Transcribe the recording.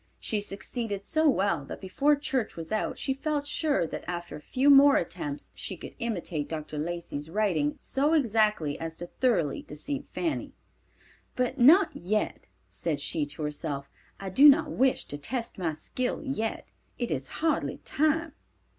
She succeeded so well that before church was out she felt sure that after a few more attempts she could imitate Dr. Lacey's writing so exactly as to thoroughly deceive Fanny. "But not yet," said she to herself; "I do not wish to test my skill yet. It is hardly time."